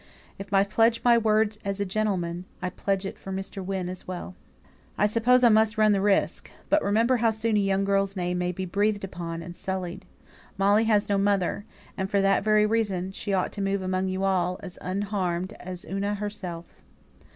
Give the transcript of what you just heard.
"If I pledge my word as a gentleman, sir, I pledge it for Mr. Wynne as well." "I suppose I must run the risk. But remember how soon a young girl's name may be breathed upon, and sullied. Molly has no mother, and for that very reason she ought to move among you all, as unharmed as Una herself."